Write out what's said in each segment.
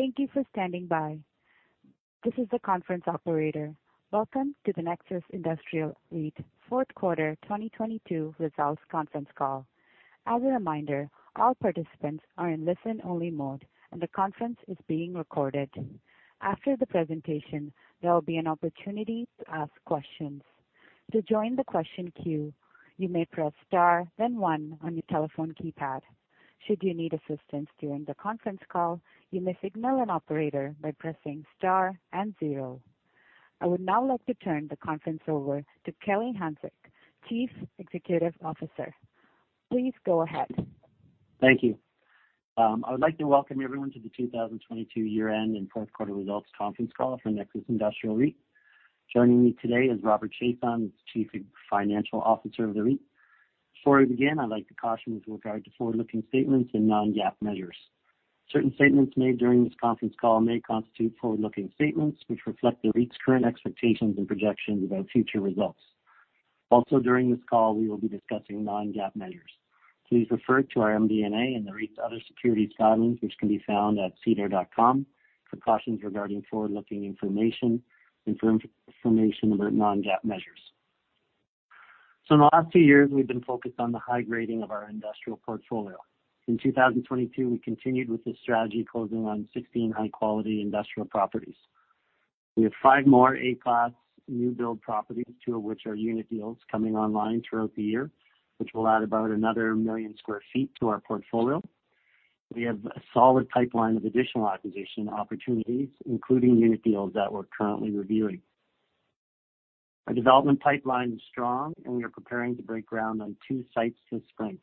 Thank you for standing by. This is the conference operator. Welcome to the Nexus Industrial REIT fourth quarter 2022 results conference call. As a reminder, all participants are in listen only mode, and the conference is being recorded. After the presentation, there will be an opportunity to ask questions. To join the question queue, you may press star then one on your telephone keypad. Should you need assistance during the conference call, you may signal an operator by pressing star and zero. I would now like to turn the conference over to Kelly Hanczyk, Chief Executive Officer. Please go ahead. Thank you. I would like to welcome everyone to the 2022 year end and fourth quarter results conference call for Nexus Industrial REIT. Joining me today is Robert Chiasson, Chief Financial Officer of the REIT. Before we begin, I'd like to caution with regard to forward looking statements and non-GAAP measures. Certain statements made during this conference call may constitute forward looking statements which reflect the REIT's current expectations and projections about future results. During this call, we will be discussing non-GAAP measures. Please refer to our MD&A and the REIT's other securities filings, which can be found at sedar.com for cautions regarding forward-looking information and for information about non-GAAP measures. In the last two years, we've been focused on the high grading of our industrial portfolio. In 2022, we continued with this strategy, closing on 16 high-quality industrial properties. We have five more A-class new build properties, two of which are unit deals coming online throughout the year, which will add about another million sq ft to our portfolio. We have a solid pipeline of additional acquisition opportunities, including unit deals that we're currently reviewing. Our development pipeline is strong, and we are preparing to break ground on two sites this spring.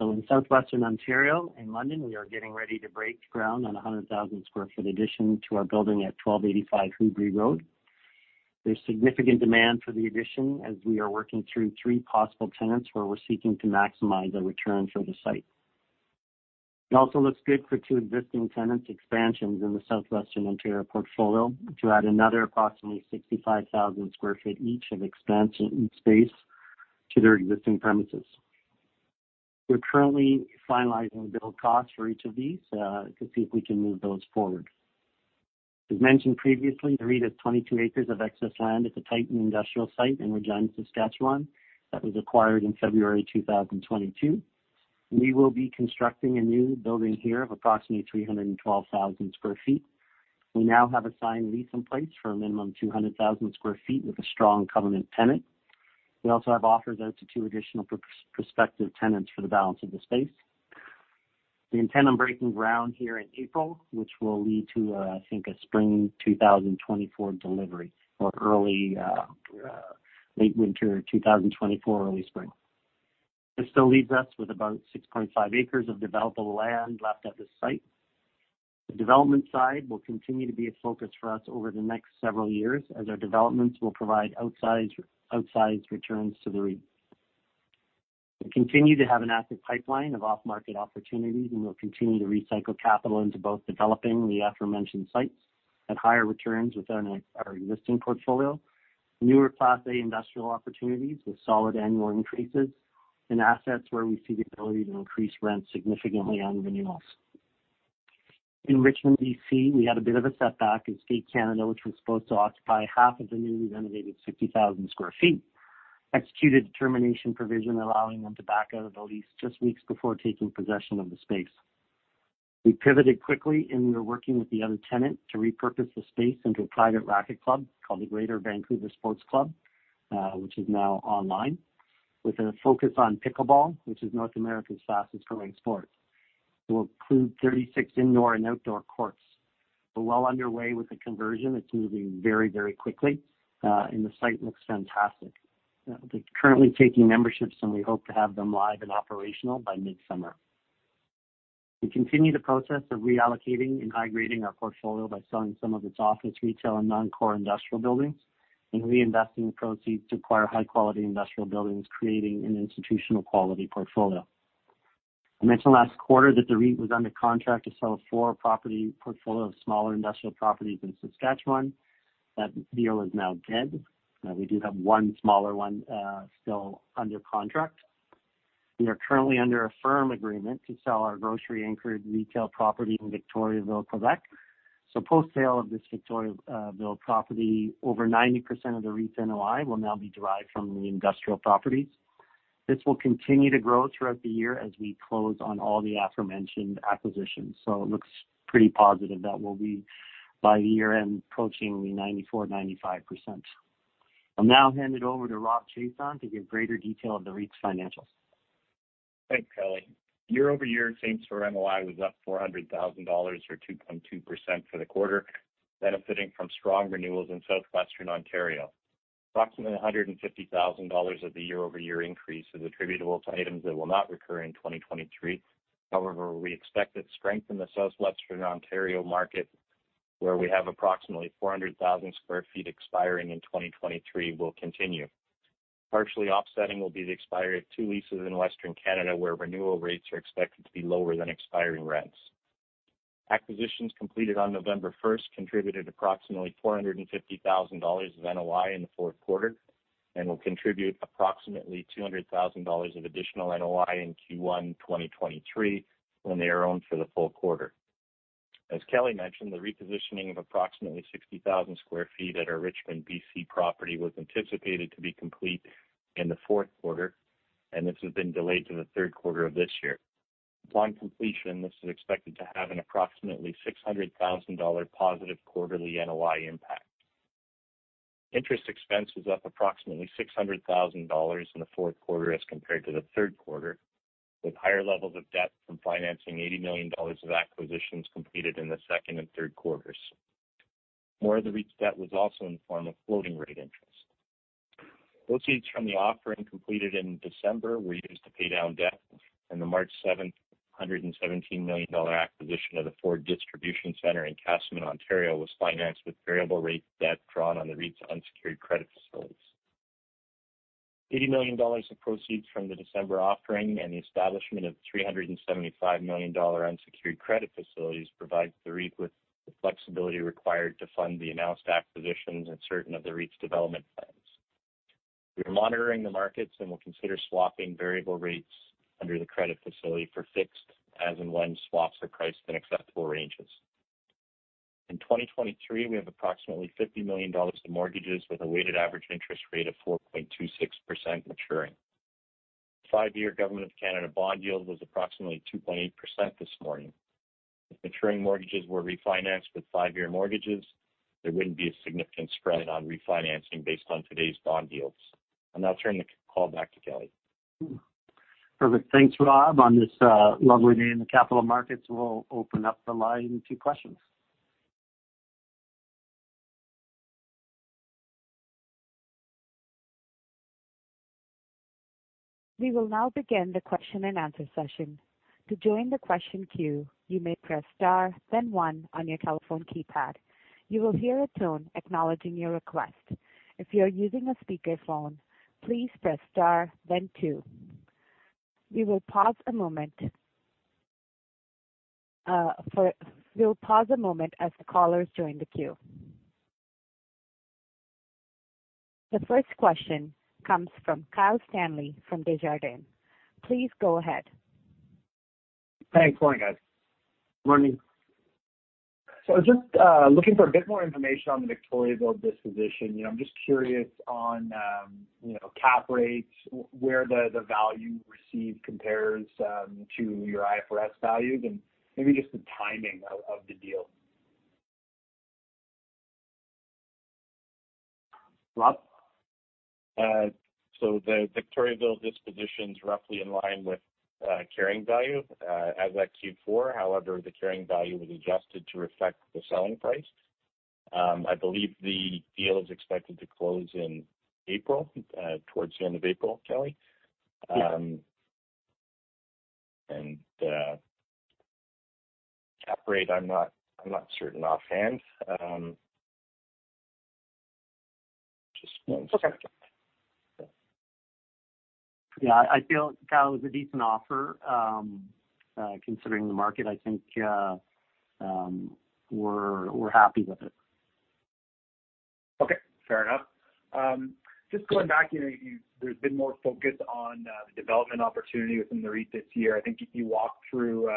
In Southwestern Ontario in London, we are getting ready to break ground on a 100,000 sq ft addition to our building at 1285 Hubrey Road. There's significant demand for the addition as we are working through three possible tenants where we're seeking to maximize our return for the site. It also looks good for two existing tenants expansions in the Southwestern Ontario portfolio to add another approximately 65,000 sq ft each of expansion space to their existing premises. We're currently finalizing build costs for each of these to see if we can move those forward. As mentioned previously, the REIT has 22 acres of excess land at the Titan Industrial Site in Regina, Saskatchewan, that was acquired in February 2022. We will be constructing a new building here of approximately 312,000 sq ft. We now have a signed lease in place for a minimum 200,000 sq ft with a strong covenant tenant. We also have offers out to two additional prospective tenants for the balance of the space. We intend on breaking ground here in April, which will lead to, I think a spring 2024 delivery or early late winter 2024, early spring. This still leaves us with about 6.5 acres of developable land left at this site. The development side will continue to be a focus for us over the next several years, as our developments will provide outsized returns to the REIT. We continue to have an active pipeline of off-market opportunities. We'll continue to recycle capital into both developing the aforementioned sites at higher returns within our existing portfolio. Newer Class A industrial opportunities with solid annual increases in assets where we see the ability to increase rent significantly on renewals. In Richmond, BC, we had a bit of a setback as Skate Canada, which was supposed to occupy half of the newly renovated 60,000 sq ft, executed a termination provision allowing them to back out of the lease just weeks before taking possession of the space. We pivoted quickly, and we are working with the other tenant to repurpose the space into a private racket club called the Greater Vancouver Sports Club, which is now online, with a focus on pickleball, which is North America's fastest growing sport. It will include 36 indoor and outdoor courts. We're well underway with the conversion. It's moving very, very quickly, and the site looks fantastic. They're currently taking memberships, and we hope to have them live and operational by mid-summer. We continue the process of reallocating and highgrading our portfolio by selling some of its office, retail, and non-core industrial buildings and reinvesting the proceeds to acquire high quality industrial buildings, creating an institutional quality portfolio. I mentioned last quarter that the REIT was under contract to sell a four property portfolio of smaller industrial properties in Saskatchewan. That deal is now dead. We do have one smaller one still under contract. We are currently under a firm agreement to sell our grocery anchored retail property in Victoriaville, Quebec. Post-sale of this Victoriaville property, over 90% of the REIT's NOI will now be derived from the industrial properties. This will continue to grow throughout the year as we close on all the aforementioned acquisitions. It looks pretty positive that we'll be by the year-end approaching the 94%-95%. I'll now hand it over to Rob Chiasson to give greater detail of the REIT's financials. Thanks, Kelly. Year-over-year, same property NOI was up $400,000 or 2.2% for the quarter, benefiting from strong renewals in Southwestern Ontario. Approximately $150,000 of the year-over-year increase is attributable to items that will not recur in 2023. We expect that strength in the Southwestern Ontario market, where we have approximately 400,000 sq ft expiring in 2023, will continue. Partially offsetting will be the expiry of two leases in Western Canada, where renewal rates are expected to be lower than expiring rents. Acquisitions completed on November 1st contributed approximately $450,000 of NOI in the fourth quarter. Will contribute approximately $200,000 of additional NOI in Q1 2023 when they are owned for the full quarter. As Kelly mentioned, the repositioning of approximately 60,000 sq ft at our Richmond, BC property was anticipated to be complete in the fourth quarter, and this has been delayed to the third quarter of this year. Upon completion, this is expected to have an approximately $600,000 positive quarterly NOI impact. Interest expense was up approximately $600,000 in the fourth quarter as compared to the third quarter, with higher levels of debt from financing $80 million of acquisitions completed in the second and third quarters. More of the REIT debt was also in the form of floating rate interest. Proceeds from the offering completed in December were used to pay down debt, and the March 7th, $117 million acquisition of the Ford Distribution Center in Casselman, Ontario, was financed with variable rate debt drawn on the REIT's unsecured credit facilities. $80 million of proceeds from the December offering and the establishment of $375 million unsecured credit facilities provides the REIT with the flexibility required to fund the announced acquisitions and certain of the REIT's development plans. We are monitoring the markets and will consider swapping variable rates under the credit facility for fixed as and when swaps are priced in acceptable ranges. In 2023, we have approximately $50 million in mortgages with a weighted average interest rate of 4.26% maturing. Five-year Government of Canada bond yield was approximately 2.8% this morning. If maturing mortgages were refinanced with five-year mortgages, there wouldn't be a significant spread on refinancing based on today's bond yields. I'll now turn the call back to Kelly. Perfect. Thanks, Rob. On this lovely day in the capital markets, we'll open up the line to questions. We will now begin the question and answer session. To join the question queue, you may press star, then one on your telephone keypad. You will hear a tone acknowledging your request. If you are using a speakerphone, please press star then two. We'll pause a moment as the callers join the queue. The first question comes from Kyle Stanley from Desjardins. Please go ahead. Thanks. Morning, guys. Morning. I was just looking for a bit more information on the Victoriaville disposition. You know, I'm just curious on, you know, cap rates, where the value received compares to your IFRS values and maybe just the timing of the deal? Rob? The Victoriaville disposition is roughly in line with carrying value as at Q4. However, the carrying value was adjusted to reflect the selling price. I believe the deal is expected to close in April towards the end of April, Kelly. Cap rate, I'm not certain offhand. Just one second. Okay. Yeah, I feel Kyle, it's a decent offer, considering the market, I think, we're happy with it. Okay. Fair enough. Just going back, you know, you there's been more focus on the development opportunity within the REIT this year. I think you walked through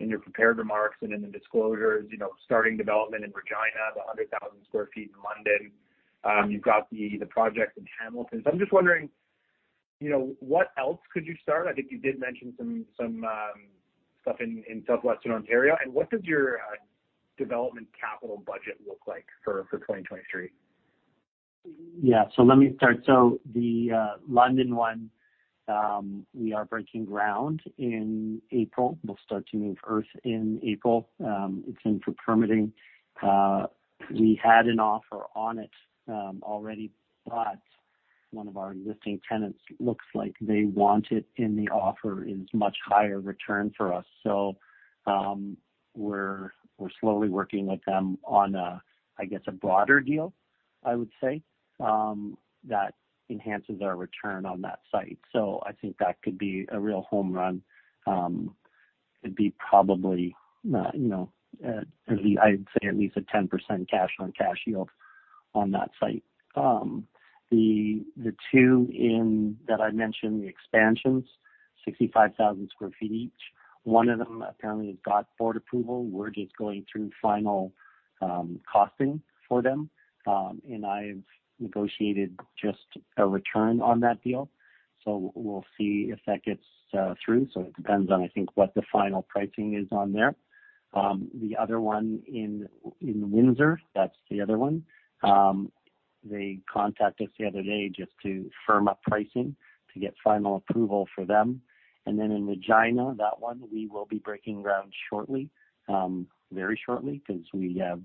in your prepared remarks and in the disclosures, you know, starting development in Regina, the 100,000 sq ft in London. You've got the project in Hamilton. I'm just wondering, you know, what else could you start? I think you did mention some stuff in southwestern Ontario. What does your development capital budget look like for 2023? Yeah. Let me start. The London one, we are breaking ground in April. We'll start to move earth in April. It's in for permitting. We had an offer on it already, but one of our existing tenants looks like they want it, and the offer is much higher return for us. We're slowly working with them on a, I guess, a broader deal, I would say, that enhances our return on that site. I think that could be a real home run. It'd be probably, you know, at least I'd say at least a 10% cash on cash yield on that site. The two in that I mentioned, the expansions, 65,000 sq ft each. One of them apparently has got board approval. We're just going through final costing for them. I've negotiated just a return on that deal, so we'll see if that gets through. It depends on, I think, what the final pricing is on there. The other one in Windsor, that's the other one. They contacted us the other day just to firm up pricing to get final approval for them. In Regina, that one, we will be breaking ground shortly, very shortly 'cause we have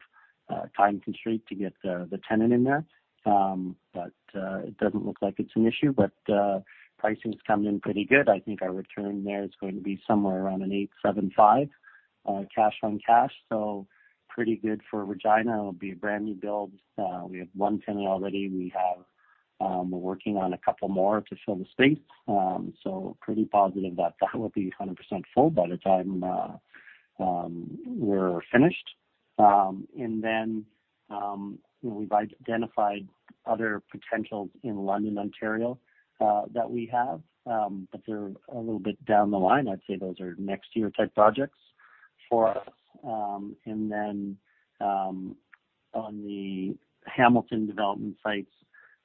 a time constraint to get the tenant in there. It doesn't look like it's an issue, but pricing's come in pretty good. I think our return there is going to be somewhere around an 8.75% cash on cash. Pretty good for Regina. It'll be a brand new build. We have one tenant already. We have we're working on a couple more to fill the space. pretty positive that that will be 100% full by the time we're finished. we've identified other potentials in London, Ontario that we have, but they're a little bit down the line. I'd say those are next year type projects for us. on the Hamilton development sites,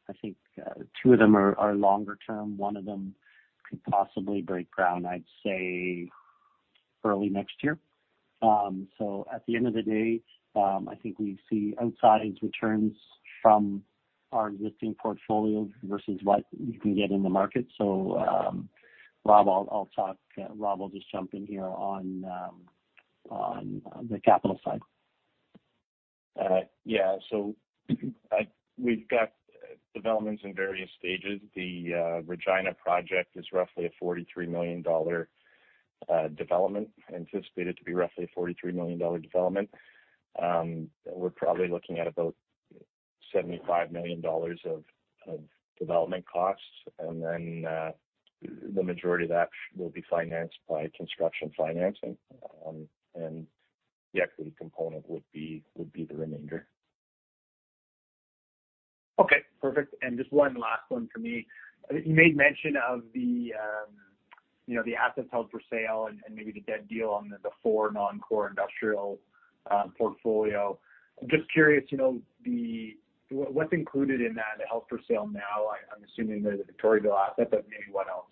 I think two of them are longer term. One of them could possibly break ground, I'd say early next year. at the end of the day, I think we see outside returns from our existing portfolio versus what you can get in the market. Rob, I'll talk. Rob will just jump in here on the capital side. Yeah. We've got developments in various stages. The Regina project is roughly a $43 million development. Anticipated to be roughly a $43 million development. We're probably looking at about $75 million of development costs. The majority of that will be financed by construction financing. The equity component would be the remainder. Okay, perfect. Just one last one for me. You made mention of the, you know, the assets held for sale and maybe the debt deal on the four non-core industrial portfolio. Just curious, you know, what's included in that held for sale now? I'm assuming they're the Victoriaville asset, but maybe what else?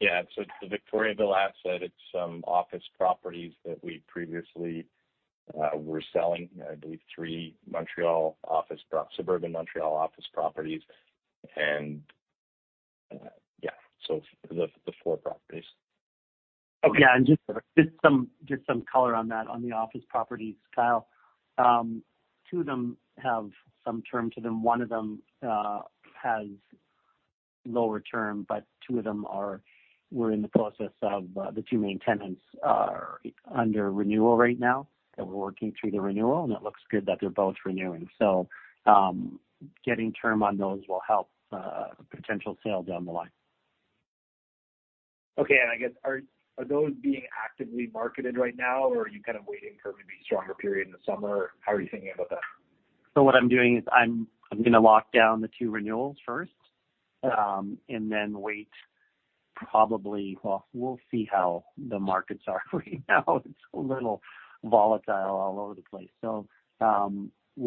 Yeah. The Victoriaville asset, it's some office properties that we previously were selling. I believe three Montreal office suburban Montreal office properties. Yeah, the four properties. Okay. Yeah, just some color on that on the office properties, Kyle. Two of them have some term to them. One of them has lower term. Two of them, we're in the process of. The two main tenants are under renewal right now, and we're working through the renewal, and it looks good that they're both renewing. Getting term on those will help potential sale down the line. Okay. I guess are those being actively marketed right now, or are you kind of waiting for maybe stronger period in the summer? How are you thinking about that? What I'm doing is I'm going to lock down the two renewals first, and then wait. Well, we'll see how the markets are right now. It's a little volatile all over the place. We'll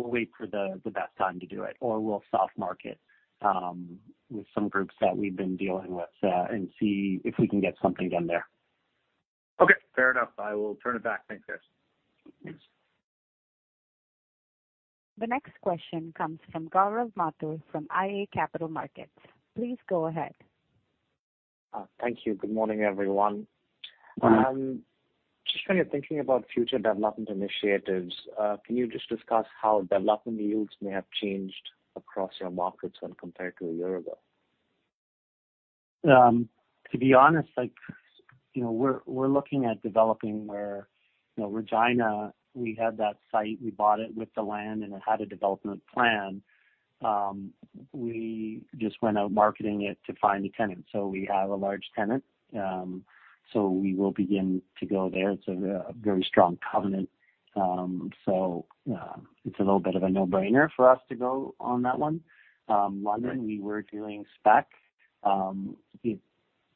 wait for the best time to do it, or we'll soft market with some groups that we've been dealing with, and see if we can get something done there. Okay, fair enough. I will turn it back. Thanks, guys. Thanks. The next question comes from Gaurav Mathur from iA Capital Markets. Please go ahead. Thank you. Good morning, everyone. Just when you're thinking about future development initiatives, can you just discuss how development yields may have changed across your markets when compared to a year ago? To be honest, like, you know, we're looking at developing where, you know, Regina, we had that site, we bought it with the land, and it had a development plan. We just went out marketing it to find a tenant. We have a large tenant, so we will begin to go there. It's a very strong covenant. So, it's a little bit of a no-brainer for us to go on that one. London, we were doing spec.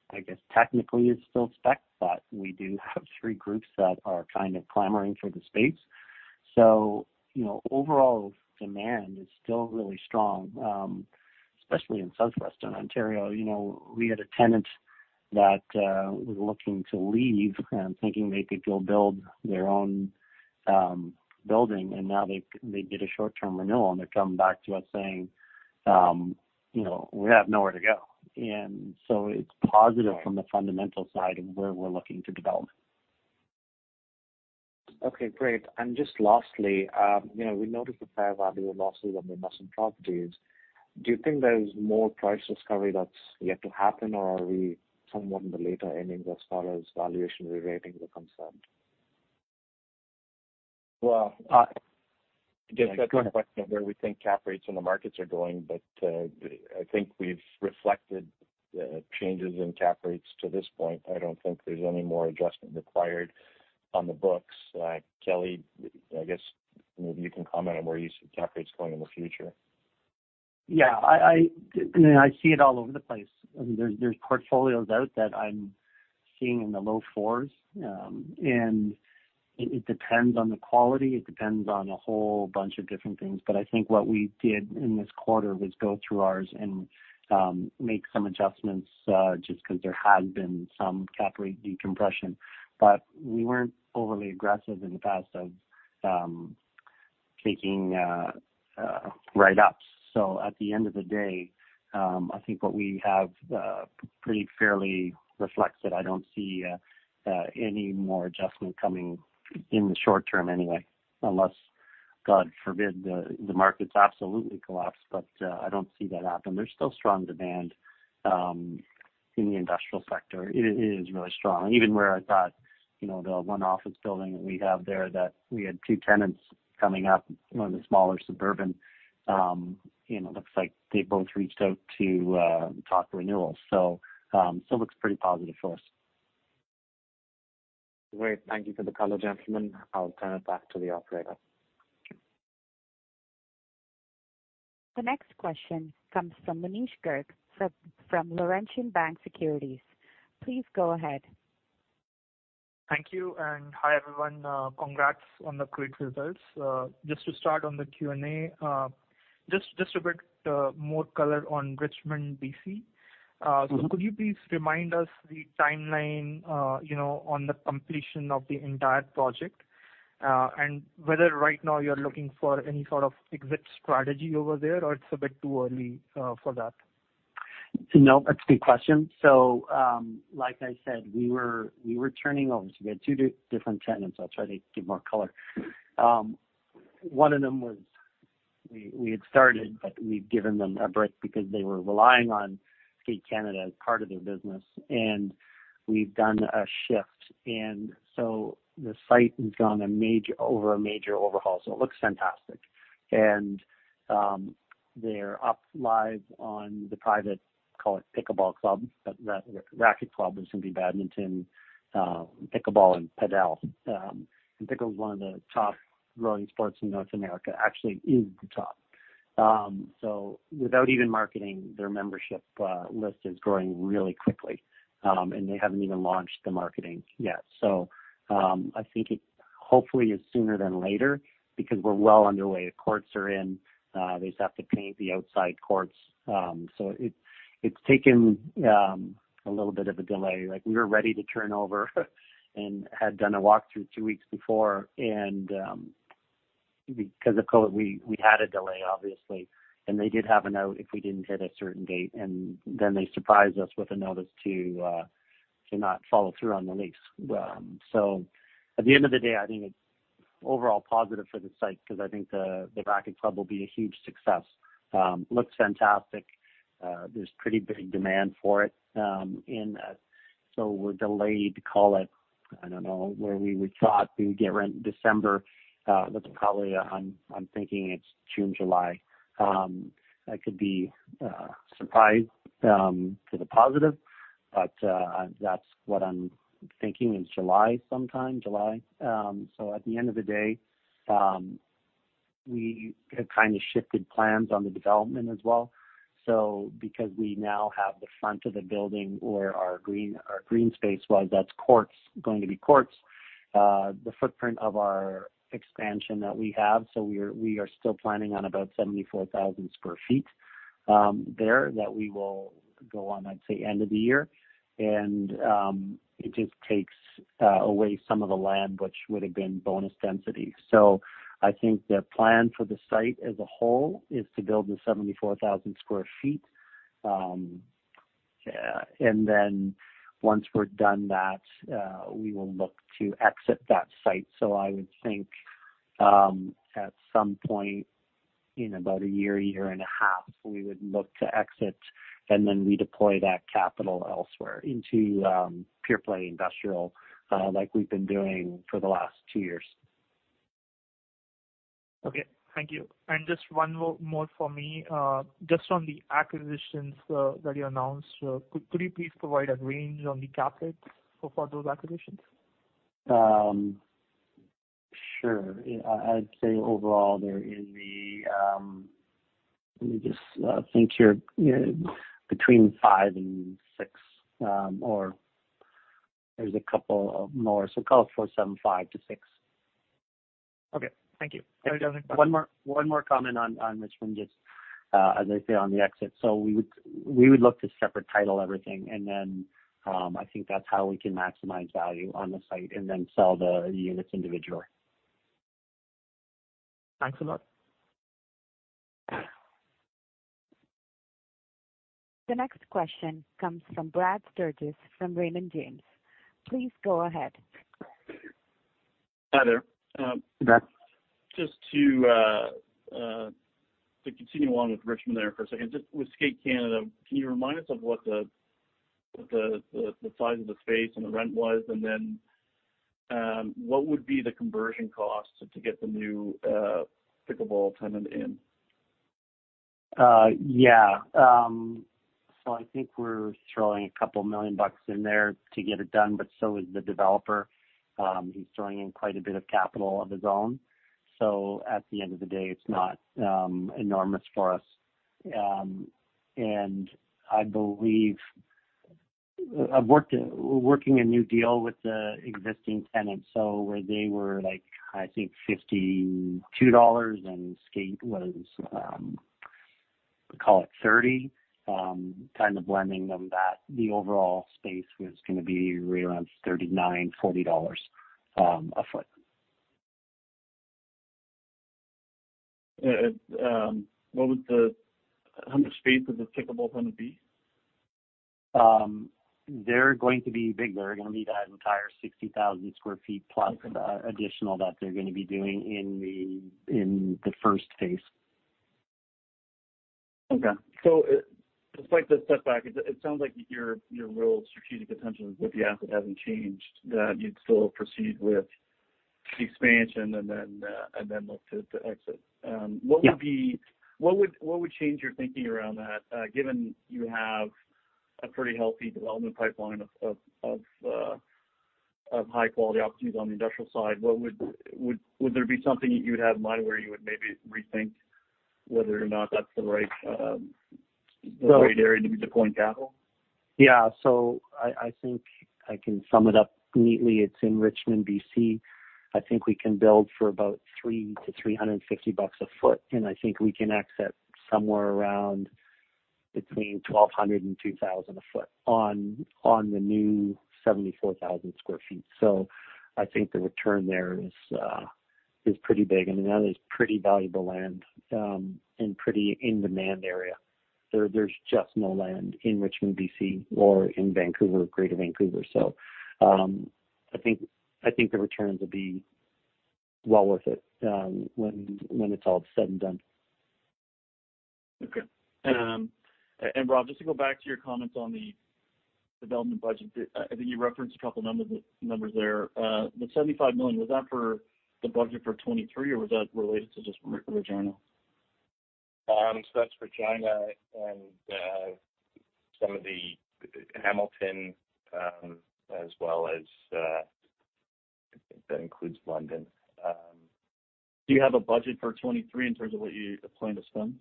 I guess technically it's still spec, but we do have three groups that are kind of clamoring for the space. You know, overall demand is still really strong, especially in Southwestern Ontario. You know, we had a tenant that was looking to leave and thinking they could go build their own building, and now they did a short-term renewal, and they're coming back to us saying, you know, "We have nowhere to go." It's positive from the fundamental side of where we're looking to develop. Okay, great. Just lastly, you know, we noticed a fair value losses on the investment properties. Do you think there is more price discovery that's yet to happen, or are we somewhat in the later innings as far as valuation rerating are concerned? I guess that's a question of where we think cap rates in the markets are going, but I think we've reflected the changes in cap rates to this point. I don't think there's any more adjustment required on the books. Kelly, I guess maybe you can comment on where you see cap rates going in the future. Yeah, I see it all over the place. I mean, there's portfolios out that I'm seeing in the low fours. It depends on the quality. It depends on a whole bunch of different things. I think what we did in this quarter was go through ours and make some adjustments just 'cause there has been some cap rate decompression. We weren't overly aggressive in the past of taking write-ups. At the end of the day, I think what we have pretty fairly reflected. I don't see any more adjustment coming in the short term anyway, unless, God forbid, the markets absolutely collapse. I don't see that happening. There's still strong demand in the industrial sector. It is really strong. Even where I thought, you know, the one office building that we have there that we had two tenants coming up, one of the smaller suburban, you know, looks like they both reached out to talk renewals. Still looks pretty positive for us. Great. Thank you for the color, gentlemen. I'll turn it back to the operator. The next question comes from Munish Garg from Laurentian Bank Securities. Please go ahead. Thank you and hi, everyone. Congrats on the great results. Just to start on the Q&A, just a bit more color on Richmond, BC. Could you please remind us the timeline, you know, on the completion of the entire project, and whether right now you're looking for any sort of exit strategy over there or it's a bit too early for that? That's a good question. Like I said, we were turning over. We had two different tenants. I'll try to give more color. One of them, we had started, but we'd given them a break because they were relying on Skate Canada as part of their business, and we've done a shift. The site has gone over a major overhaul, so it looks fantastic. They're up live on the private, call it pickleball club. The Racket Club is going to be badminton, pickleball and padel. Pickleball is one of the top growing sports in North America. Actually, it is the top. Without even marketing, their membership list is growing really quickly, and they haven't even launched the marketing yet. I think it hopefully is sooner than later because we're well underway. The courts are in. They just have to paint the outside courts. It's taken a little bit of a delay. Like, we were ready to turn over and had done a walk through two weeks before. Because of COVID, we had a delay obviously, and they did have a note if we didn't hit a certain date. They surprised us with a notice to not follow through on the lease. At the end of the day, I think it's overall positive for the site because I think the racket club will be a huge success. Looks fantastic. There's pretty big demand for it. We're delayed, call it, I don't know, where we would thought we would get rent December. That's probably, I'm thinking it's June, July. I could be surprised to the positive, but that's what I'm thinking is July sometime, July. At the end of the day, we have kind of shifted plans on the development as well. Because we now have the front of the building where our green, our green space was, that's courts, going to be courts. The footprint of our expansion that we have, we are still planning on about 74,000 sq ft there that we will go on, I'd say, end of the year. It just takes away some of the land which would have been bonus density. I think the plan for the site as a whole is to build the 74,000 sq ft. And then once we're done that, we will look to exit that site. I would think, at some point in about a year and a half, we would look to exit and then redeploy that capital elsewhere into pure play industrial, like we've been doing for the last two years. Okay. Thank you. Just one more for me. Just on the acquisitions, that you announced, could you please provide a range on the CapEx for those acquisitions? Sure. I'd say overall there is the. Let me just think here. Between $5 million and $6 million, or there's a couple of more, so call it $4.75 million-$6 million. Okay. Thank you. One more comment on Richmond, just as I say, on the exit. We would look to separate title everything and then I think that's how we can maximize value on the site and then sell the units individually. Thanks a lot. The next question comes from Brad Sturges from Raymond James. Please go ahead. Hi there. Brad. Just to continue on with Richmond there for a second. Just with Skate Canada, can you remind us of what the size of the space and the rent was? What would be the conversion cost to get the new pickleball tenant in? I think we're throwing a couple million bucks in there to get it done, but so is the developer. He's throwing in quite a bit of capital of his own. At the end of the day, it's not enormous for us. I believe we're working a new deal with the existing tenants. Where they were like, I think $52 and Skate was, call it $30, kind of blending them that the overall space was gonna be right around $39-$40 afoot. How much space is the pickleball gonna be? They're going to be big. They're gonna need that entire 60,000 sq ft plus additional that they're gonna be doing in the first phase. Okay. Just like the step back, it sounds like your real strategic potential with the asset hasn't changed, that you'd still proceed with the expansion and then, and then look to exit. Yeah. What would change your thinking around that, given you have a pretty healthy development pipeline of high quality opportunities on the industrial side, would there be something that you would have in mind where you would maybe rethink whether or not that's the right, the right area to deploy capital? Yeah. I think I can sum it up neatly. It's in Richmond, BC. I think we can build for about $3-$350 a foot, and I think we can exit somewhere around between $1,200 and $2,000 a foot on the new 74,000 sq ft. I think the return there is pretty big. I mean, that is pretty valuable land and pretty in-demand area. There's just no land in Richmond, BC or in Vancouver, Greater Vancouver. I think the returns will be well worth it when it's all said and done. Okay. Rob, just to go back to your comments on the development budget. I think you referenced a couple of numbers there. The $75 million, was that for the budget for 2023 or was that related to just Regina? That's Regina and some of the Hamilton as well as I think that includes London. Do you have a budget for 2023 in terms of what you plan to spend?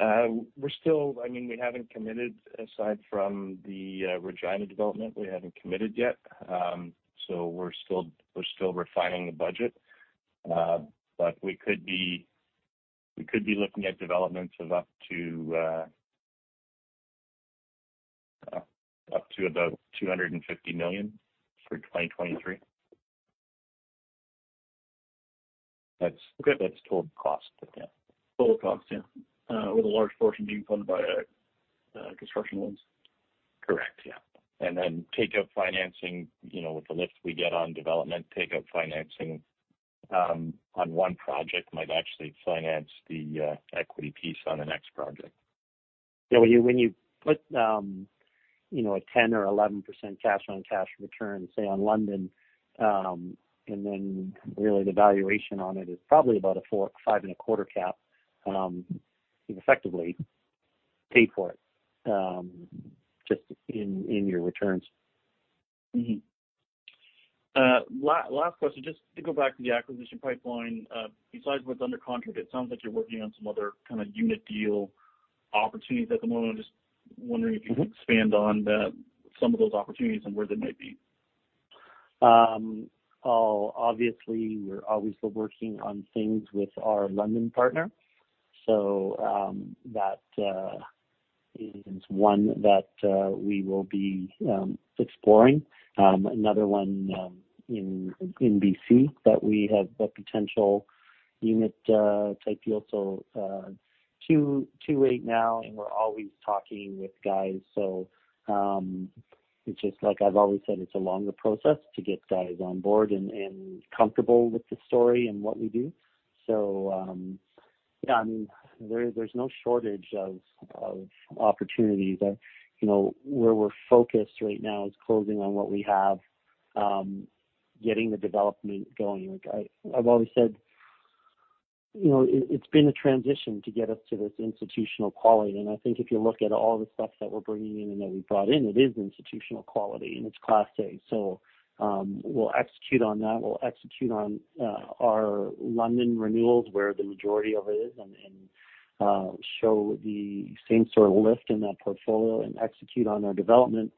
I mean, we haven't committed aside from the Regina development. We haven't committed yet. We're still refining the budget. We could be looking at developments of up to about $250 million for 2023. Okay. That's total cost. Yeah. Total cost, yeah. With a large portion being funded by construction loans. Correct. Yeah. Take up financing, you know, with the lift we get on development, take up financing, on one project might actually finance the equity piece on the next project. Yeah, when you put, you know, a 10% or 11% cash on cash return, say on London, and then really the valuation on it is probably about a 4%, 5% and a quarter cap, you effectively pay for it just in your returns. Last question, just to go back to the acquisition pipeline. Besides what's under contract, it sounds like you're working on some other kind of unit deal opportunities at the moment. I'm just wondering if you could expand on some of those opportunities and where they might be? Obviously, we're always still working on things with our London partner. That is one that we will be exploring. Another one in BC that we have a potential unit type deal. Two right now, and we're always talking with guys. It's just like I've always said, it's a longer process to get guys on board and comfortable with the story and what we do. Yeah, I mean, there's no shortage of opportunities. You know, where we're focused right now is closing on what we have, getting the development going. Like I've always said, you know, it's been a transition to get us to this institutional quality. I think if you look at all the stuff that we're bringing in and that we brought in, it is institutional quality and it's class A. We'll execute on that. We'll execute on our London renewals where the majority of it is and show the same sort of lift in that portfolio and execute on our development,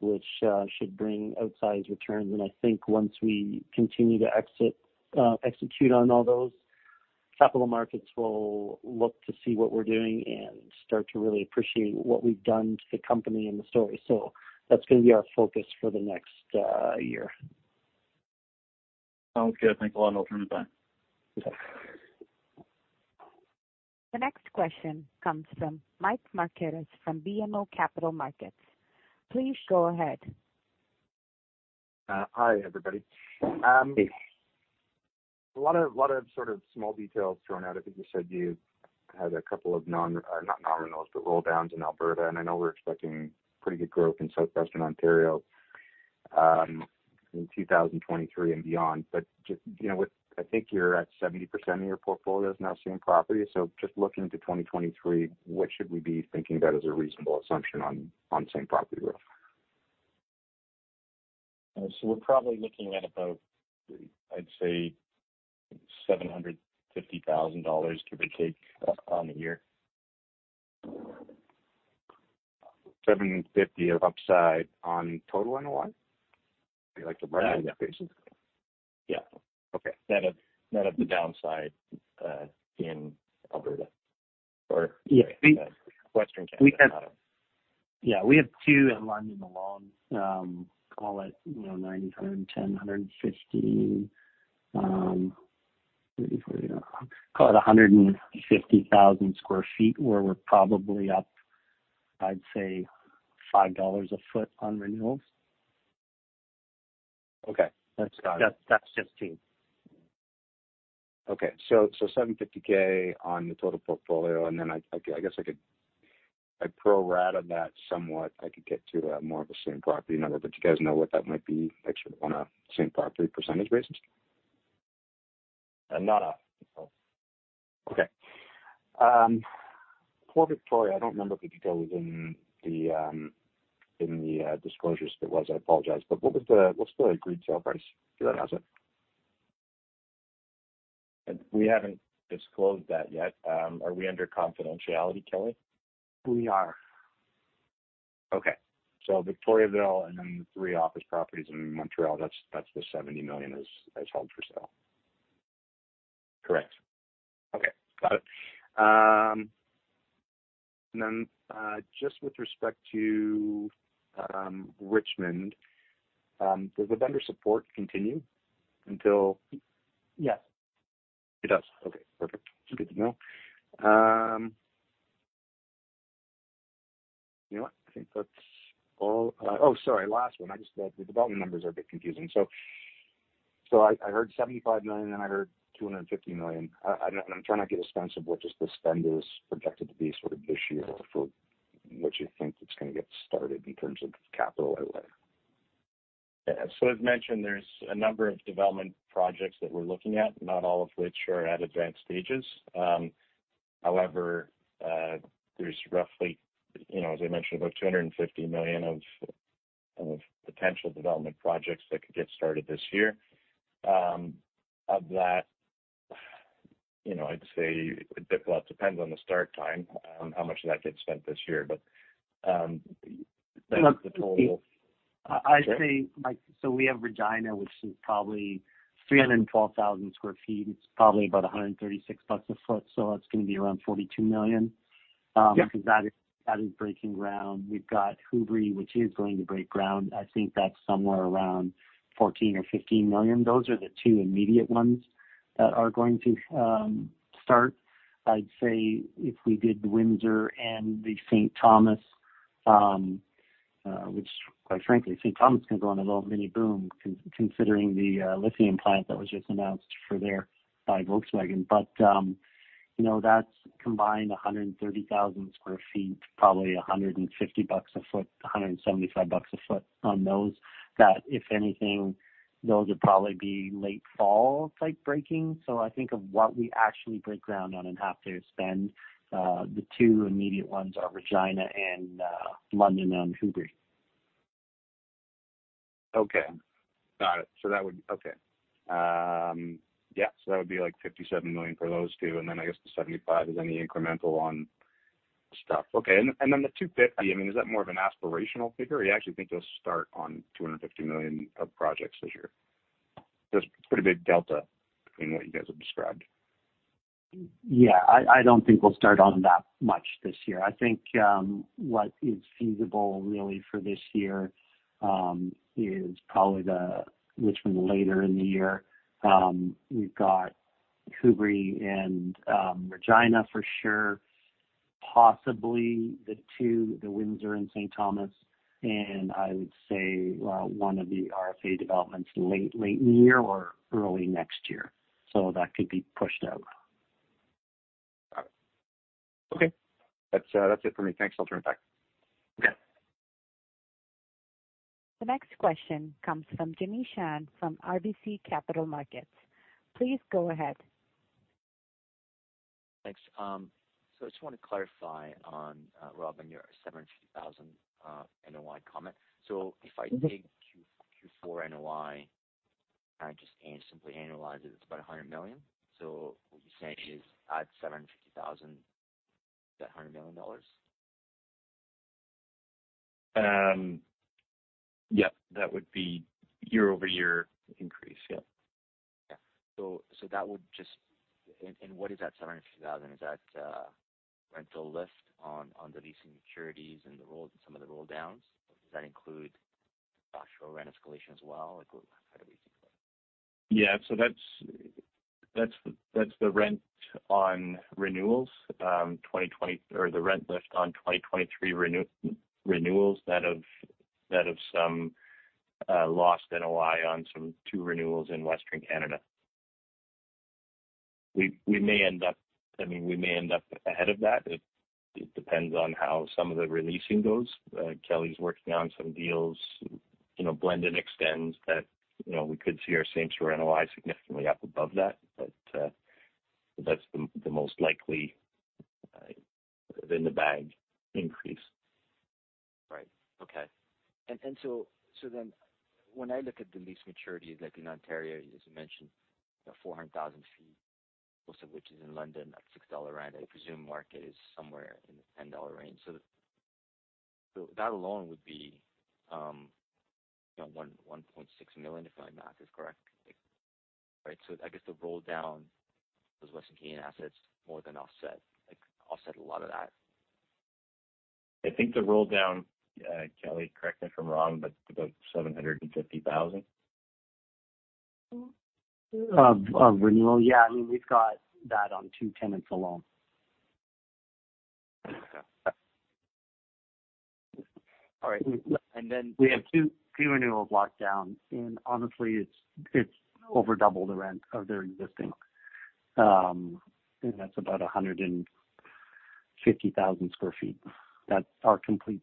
which, should bring outsized returns. I think once we continue to execute on all those, capital markets will look to see what we're doing and start to really appreciate what we've done to the company and the story. That's gonna be our focus for the next year. Sounds good. Thanks a lot. I'll turn it back. Okay. The next question comes from Michael Markidis from BMO Capital Markets. Please go ahead. Hi, everybody. A lot of, lot of sort of small details thrown out. I think you said you had a couple of not non-renovals, but roll downs in Alberta, and I know we're expecting pretty good growth in Southwestern Ontario, in 2023 and beyond. Just, you know, with I think you're at 70% of your portfolio is now same property. Just looking to 2023, what should we be thinking about as a reasonable assumption on same property growth? We're probably looking at about, I'd say $750,000, give or take, on the year. $750,000 upside on total NOI? Like the bright end of the basis? Yeah. Okay. Net of the downside, in Alberta. Yeah. Western Canada. Yeah, we have two in London alone. call it, you know, 109,000 sq ft, 110,000 sq ft, 150,000 sq ft. call it a 150,000 sq ft where we're probably up, I'd say $5 a foot on renewals. Okay. That's got it. That's 15. Okay. $750,000 on the total portfolio. I guess I could if I pro rata that somewhat, I could get to a more of a same property number. Do you guys know what that might be actually on a same property percantage basis? Not okay. For Victoria, I don't remember if the detail was in the disclosures. If it was, I apologize, what's the agreed sale price for that asset? We haven't disclosed that yet. Are we under confidentiality, Kelly? We are. Okay. Victoriaville and then the three office properties in Montreal, that's the $70 million is held for sale. Correct. Okay. Got it. Just with respect to, Richmond, does the vendor support continue until? Yes. It does. Okay, perfect. That's good to know. You know what? I think that's all. Oh, sorry, last one. I just the development numbers are a bit confusing. I heard $75 million, and then I heard $250 million. I'm trying to get a sense of what just the spend is projected to be sort of this year for what you think is gonna get started in terms of capital outlay. Yeah. As mentioned, there's a number of development projects that we're looking at, not all of which are at advanced stages. However, there's roughly, you know, as I mentioned, about $250 million of potential development projects that could get started this year. Of that, you know, I'd say it well, it depends on the start time on how much of that gets spent this year. I'd say, like, We have Regina, which is probably 312,000 sq ft. It's probably about $136 a foot, so it's gonna be around $42 million. Yeah. Because that is breaking ground. We've got Hubrey, which is going to break ground. I think that's somewhere around $14 million or $15 million. Those are the two immediate ones that are going to start. I'd say if we did Windsor and the St. Thomas, which quite frankly, St. Thomas can go on a little mini boom considering the lithium plant that was just announced for there by Volkswagen. You know, that's combined 130,000 sq ft, probably $150 bucks a foot, $175 bucks a foot on those. That if anything, those would probably be late fall type breaking. I think of what we actually break ground on and have to spend, the two immediate ones are Regina and London and Hubrey. Okay. Got it. That would be, like, $57 million for those two, and then I guess the $75 million is any incremental on stuff. Okay. Then the $250 million, I mean, is that more of an aspirational figure, or you actually think you'll start on $250 million of projects this year? There's pretty big delta between what you guys have described. Yeah, I don't think we'll start on that much this year. I think, what is feasible really for this year is probably the Richmond later in the year. We've got Hubrey and Regina for sure, possibly the two, the Windsor and St. Thomas, and I would say one of the RFA developments late in the year or early next year. That could be pushed out. Got it. Okay. That's, that's it for me. Thanks. I'll turn it back. Okay. The next question comes from Jimmy Shan from RBC Capital Markets. Please go ahead. Thanks. I just wanted to clarify on Robin, your $700,000 NOI comment. If I take Q4 NOI and just simply annualize it's about $100 million. What you're saying is add $750,000 to that $100 million? Yeah. That would be year-over-year increase. Yeah. Yeah. That would just what is that $750,000? Is that rental lift on the leasing maturities and some of the roll downs? Does that include actual rent escalation as well? How do we think of that? Yeah. That's the rent on renewals, the rent lift on 2023 renewals that have some lost NOI on some two renewals in Western Canada. We may end up ahead of that. It depends on how some of the releasing goes. Kelly's working on some deals, you know, blend and extends that, you know, we could see our same store NOI significantly up above that. That's the most likely in the bag increase. Right. Okay. When I look at the lease maturities, like in Ontario, as you mentioned, the 400,000 sq ft, most of which is in London at $6 rent, I presume market is somewhere in the $10 range. That alone would be, you know, $1.6 million, if my math is correct. Right. I guess the roll down, those Western Canadian assets more than offset, like offset a lot of that. I think the roll down, Kelly, correct me if I'm wrong, but about $750,000. Of renewal. Yeah. I mean, we've got that on two tenants alone. Okay. All right. Then e have two renewals locked down. Honestly, it's over double the rent of their existing. I think that's about 150,000 sq ft. That's our complete.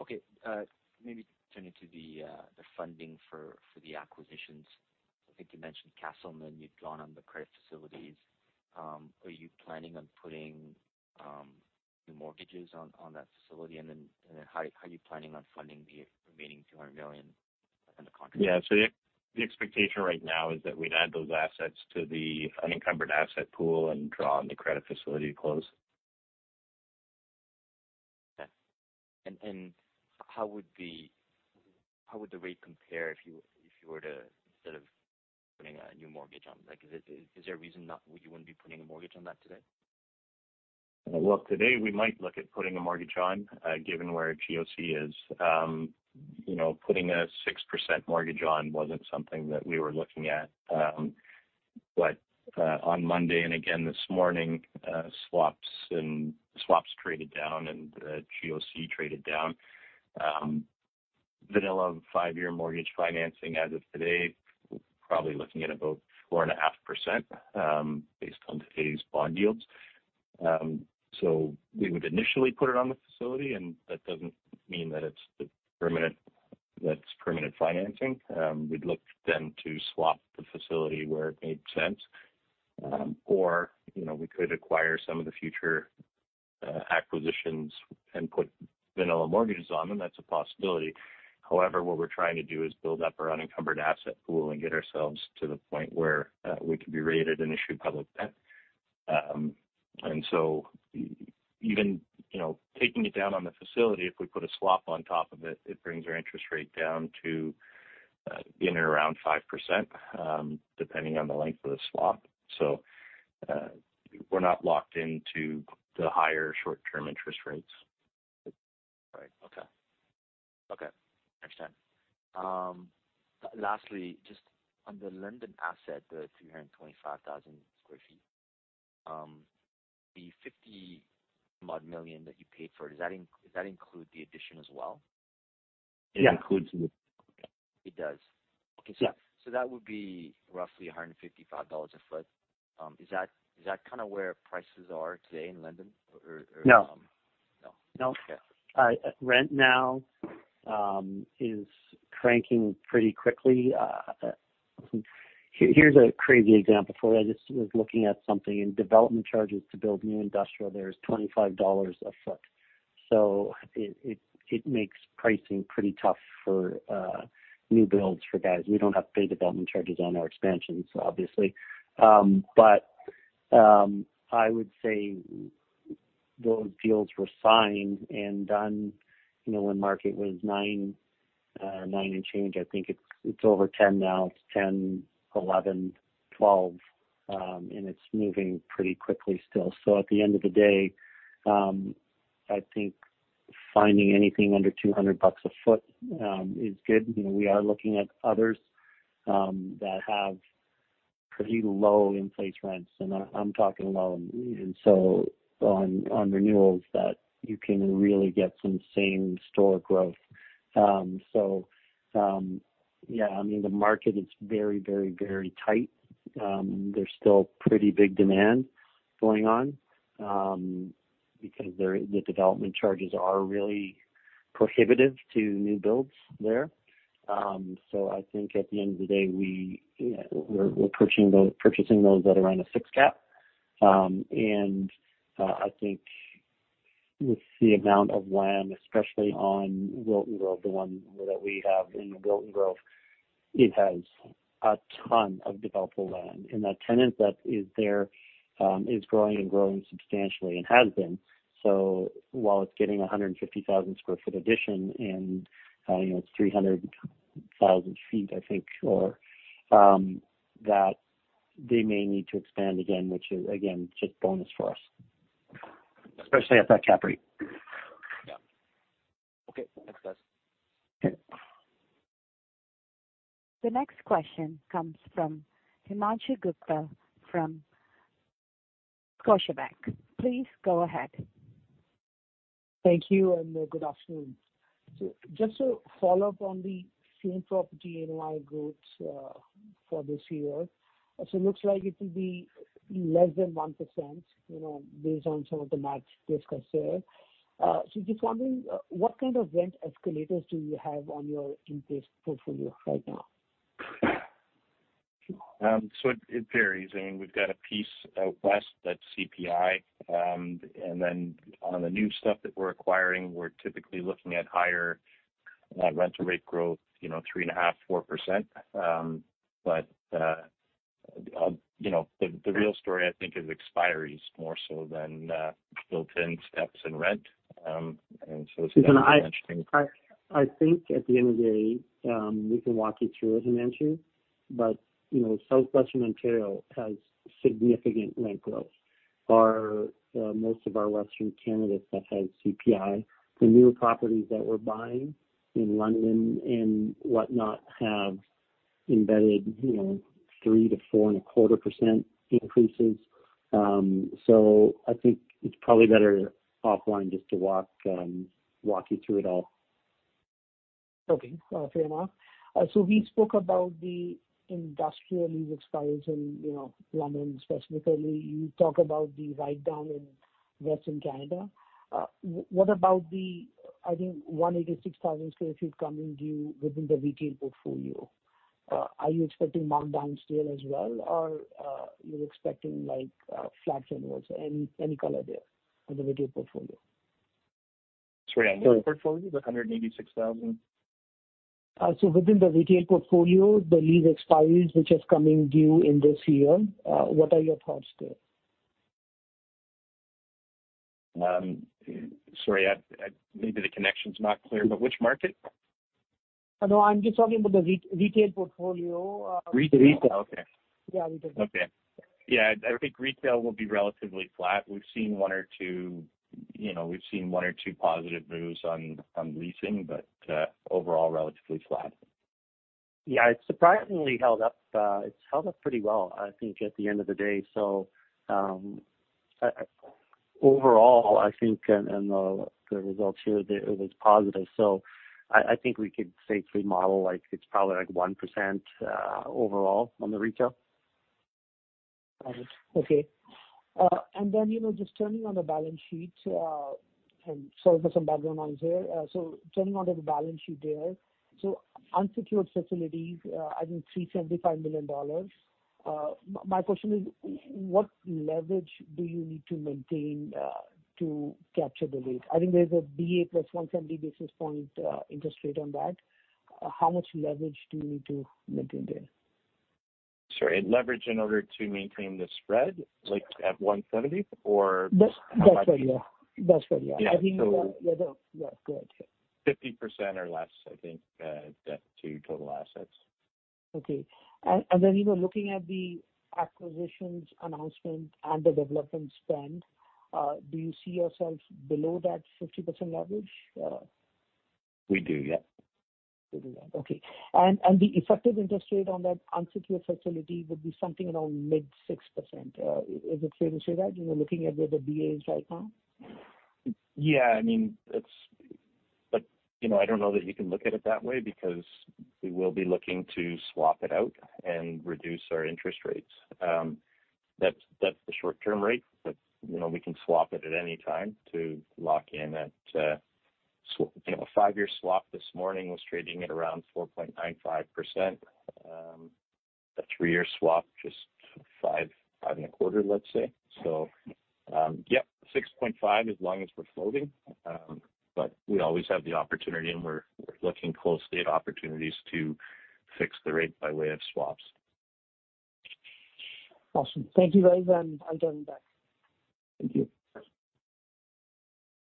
Okay. Maybe turning to the funding for the acquisitions. I think you mentioned Casselman, you've drawn on the credit facilities. Are you planning on putting new mortgages on that facility? How are you planning on funding the remaining $200 million under contract? Yeah. The expectation right now is that we'd add those assets to the unencumbered asset pool and draw on the credit facility to close. Yeah. How would the rate compare if you were to instead of putting a new mortgage on? Like, is there a reason you wouldn't be putting a mortgage on that today? Today we might look at putting a mortgage on, given where GOC is. You know, putting a 6% mortgage on wasn't something that we were looking at. On Monday and again this morning, swaps traded down and GOC traded down. Vanilla five-year mortgage financing as of today, probably looking at about 4.5%, based on today's bond yields. We would initially put it on the facility, and that doesn't mean that it's permanent financing. We'd look then to swap the facility where it made sense. You know, we could acquire some of the future acquisitions and put vanilla mortgages on them. That's a possibility. What we're trying to do is build up our unencumbered asset pool and get ourselves to the point where we could be rated and issue public debt. You know, taking it down on the facility, if we put a swap on top of it brings our interest rate down to in and around 5%, depending on the length of the swap. We're not locked into the higher short-term interest rates. Right. Okay. Okay. Understand. lastly, just on the London asset, the 325,000 sq ft, the $50 odd million that you paid for, does that include the addition as well? Yeah. It includes the. It does. Okay. Yeah. That would be roughly $155 a foot. Is that kind of where prices are today in London or? No. No? No. Okay. Rent now is cranking pretty quickly. Here's a crazy example for you. I just was looking at something in development charges to build new industrial. There's $25 a foot. It makes pricing pretty tough for new builds for guys. We don't have to pay development charges on our expansions, obviously. I would say those deals were signed and done, you know, when market was $9 and change, I think it's ove $10 now. It's $10, $11, $2, and it's moving pretty quickly still. At the end of the day, I think finding anything under $200 a foot is good. You know, we are looking at others that have pretty low in-place rents, and I'm talking low. On renewals that you can really get some same-store growth. Yeah, I mean, the market is very, very, very tight. There's still pretty big demand going on because the development charges are really prohibitive to new builds there. I think at the end of the day, we're purchasing those at around a six cap. I think with the amount of land, especially on Wilton Grove, the one that we have in Wilton Grove, it has a ton of developable land. That tenant that is there is growing and growing substantially and has been. While it's getting a 150,000 sq ft addition and, you know, it's 300,000 sq ft, I think, or, that they may need to expand again, which is again, just bonus for us, especially at that cap rate. Yeah. Okay. Thanks, guys. Okay. The next question comes from Himanshu Gupta from Scotiabank. Please go ahead. Thank you. Good afternoon. Just to follow up on the same property NOI growth for this year. It looks like it will be less than 1%, you know, based on some of the math discussed here. Just wondering what kind of rent escalators do you have on your in-place portfolio right now? It varies. I mean, we've got a piece out west that's CPI. On the new stuff that we're acquiring, we're typically looking at higher rental rate growth, you know, 3.5%-4%. You know, the real story I think is expiries more so than built-in steps in rent. Himanshu, I think at the end of the day, we can walk you through it, Himanshu. You know, Southwestern Ontario has significant rent growth for most of our Western candidates that have CPI. The newer properties that we're buying in London and whatnot have embedded, you know, 3%-4.25% increases. I think it's probably better offline just to walk you through it all. Fair enough. We spoke about the industrial lease expires in, you know, London specifically. You talk about the write down in Western Canada. What about the, I think 186,000 sq ft coming due within the retail portfolio. Are you expecting markdowns there as well or, you're expecting like, flat generals? Any, any color there on the retail portfolio? Sorry, on which portfolio? The $186,000? Within the retail portfolio, the lease expires, which is coming due in this year. What are your thoughts there? Sorry, maybe the connection's not clear, but which market? No, I'm just talking about the re-retail portfolio. Retail. Okay. Yeah, retail. Okay. Yeah, I think retail will be relatively flat. We've seen one or two, you know, we've seen one or two positive moves on leasing, but overall, relatively flat. Yeah, it surprisingly held up. It's held up pretty well, I think, at the end of the day. Overall, I think, and the results here, it was positive. I think we could safely model like it's probably like 1%, overall on the retail. Got it. Okay. Then, you know, just turning on the balance sheet, and sorry for some background noise here. Turning on to the balance sheet there. Unsecured facilities, I think $375 million. My question is, what leverage do you need to maintain, to capture the lease? I think there's a BA plus 170 basis points, interest rate on that. How much leverage do you need to maintain there? Sorry. Leverage in order to maintain the spread like at 170 or? That's right. Yeah. That's right. Yeah. Yeah, go ahead. 50% or less, I think, debt to total assets. Okay. You know, looking at the acquisitions announcement and the development spend, do you see yourself below that 50% leverage? We do, yeah. We do that. Okay. The effective interest rate on that unsecured facility would be something around mid 6%. Is it fair to say that, you know, looking at where the BA is right now? Yeah, I mean, you know, I don't know that you can look at it that way because we will be looking to swap it out and reduce our interest rates. That's the short-term rate. You know, we can swap it at any time to lock in at, you know, a five-year swap this morning was trading at around 4.95%. A three-year swap, just 5.25%, let's say. Yeah, 6.5% as long as we're floating. We always have the opportunity and we're looking closely at opportunities to fix the rate by way of swaps. Awesome. Thank you guys, and I'll join back. Thank you.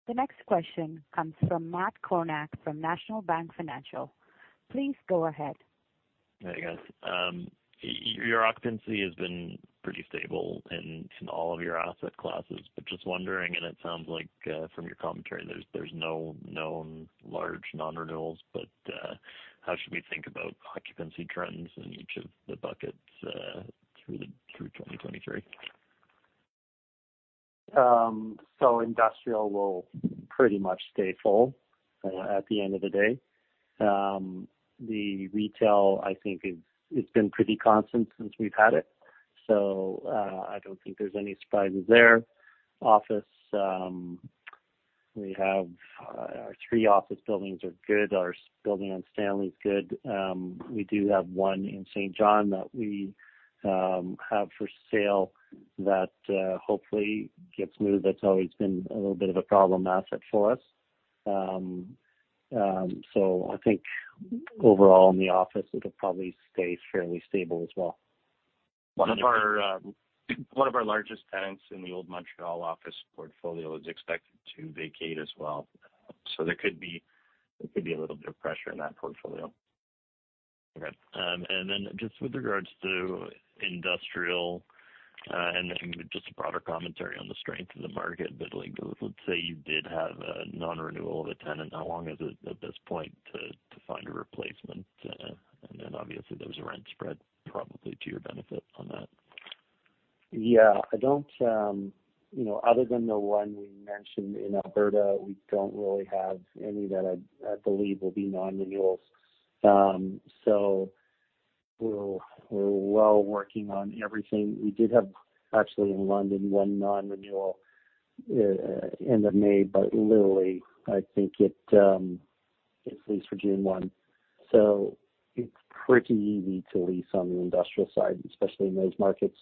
The next question comes from Matt Kornack from National Bank Financial. Please go ahead. Hey, guys. Your occupancy has been pretty stable in all of your asset classes, but just wondering, and it sounds like, from your commentary, there's no known large non-renewals, but how should we think about occupancy trends in each of the buckets through 2023? Industrial will pretty much stay full at the end of the day. The retail, I think it's been pretty constant since we've had it, so I don't think there's any surprises there. Office, we have our three office buildings are good. Our building on Stanley is good. We do have one in Fort St. John that we have for sale that hopefully gets moved. That's always been a little bit of a problem asset for us. I think overall in the office it'll probably stay fairly stable as well. One of our largest tenants in the old Montreal office portfolio is expected to vacate as well. There could be a little bit of pressure in that portfolio. Okay. Just with regards to industrial, and then just a broader commentary on the strength of the market. Like, let's say you did have a non-renewal of a tenant, how long is it at this point to find a replacement? Obviously there's a rent spread probably to your benefit on that. Yeah, I don't, you know, other than the one we mentioned in Alberta, we don't really have any that I believe will be non-renewals. We're, we're well working on everything. We did have actually in London one non-renewal, end of May, but literally I think it's leased for June 1, so it's pretty easy to lease on the industrial side, especially in those markets.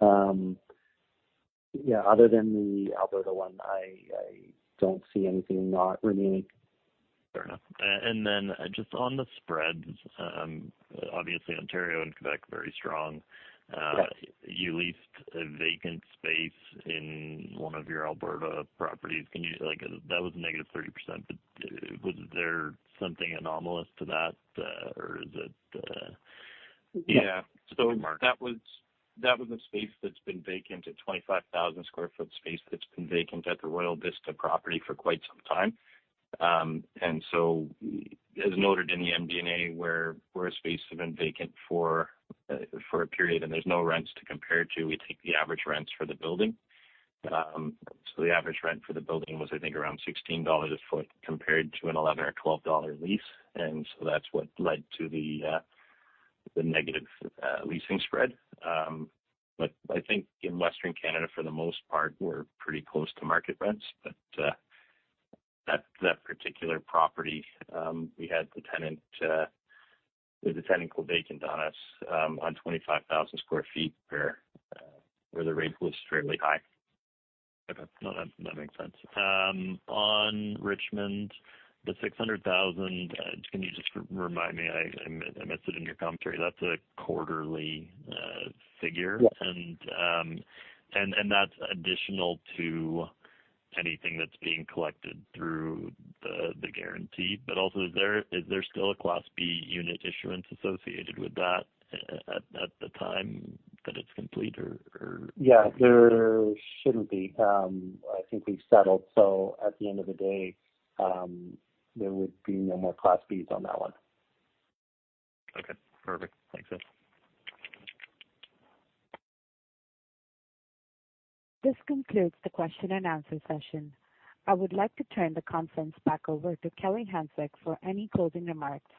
Yeah, other than the Alberta one, I don't see anything not renewing. Fair enough. Just on the spreads, obviously Ontario and Quebec, very strong. Yes. You leased a vacant space in one of your Alberta properties. Like, that was -30%, but was there something anomalous to that, or is it? Yeah. That was a space that's been vacant, a 25,000 sq ft space that's been vacant at the Royal Vista property for quite some time. As noted in the MD&A, where a space has been vacant for a period and there's no rents to compare it to, we take the average rents for the building. The average rent for the building was, I think, around $16 a foot compared to an $11 or $12 lease. That's what led to the negative leasing spread. I think in Western Canada for the most part, we're pretty close to market rents. that particular property, we had the tenant go vacant on us, on 25,000 sq ft where the rate was fairly high. Okay. No, that makes sense. On Richmond, the $600,000, can you just remind me? I missed it in your commentary. That's a quarterly figure? Yeah. That's additional to anything that's being collected through the guarantee. Also is there still a Class B unit issuance associated with that at the time that it's complete? Yeah, there shouldn't be. I think we've settled. At the end of the day, there would be no more Class B's on that one. Okay, perfect. Thanks. This concludes the question and answer session. I would like to turn the conference back over to Kelly Hanczyk for any closing remarks.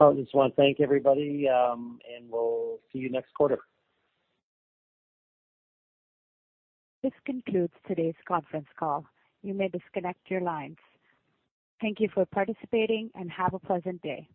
I just want to thank everybody, and we'll see you next quarter. This concludes today's conference call. You may disconnect your lines. Thank you for participating and have a pleasant day.